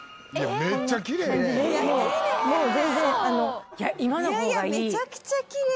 めちゃくちゃきれい！